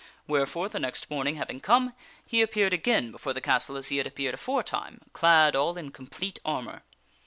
Wherefore, the next morning having come, he appeared again before the castle as he had appeared aforetime clad all in complete armor.